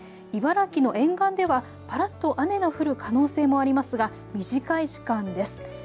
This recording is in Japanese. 茨城の沿岸ではぱらっと雨の降る可能性もありますが短い時間です。